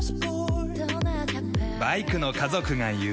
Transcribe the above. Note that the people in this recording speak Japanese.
バイクの家族が言う。